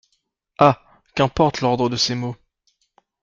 Ah! qu’importe l’ordre de ces mots?...